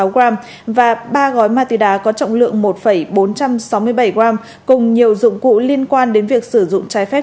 hai hai trăm năm mươi sáu g và ba gói ma túy đá có trọng lượng một bốn trăm sáu mươi bảy g cùng nhiều dụng cụ liên quan đến việc sử dụng trái phép